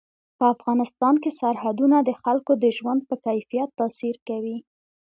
په افغانستان کې سرحدونه د خلکو د ژوند په کیفیت تاثیر کوي.